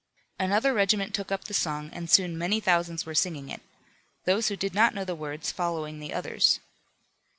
Another regiment took up the song, and soon many thousands were singing it; those who did not know the words following the others.